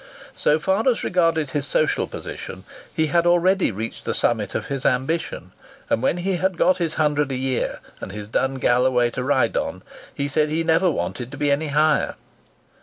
So far as regarded his social position, he had already reached the summit of his ambition; and when he had got his hundred a year, and his dun galloway to ride on, he said he never wanted to be any higher.